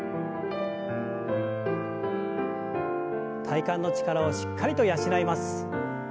体幹の力をしっかりと養います。